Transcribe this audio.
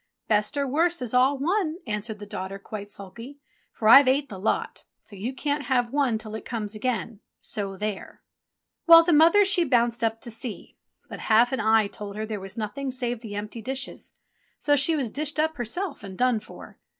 "Best or worst is all one," answered the daughter quite sulky, "for I've ate the lot, so you can't have one till it comes again — so there !" Well, the mother she bounced up to see ; but half an eye told her there was nothing save the empty dishes ; so she was dished up herself and done for.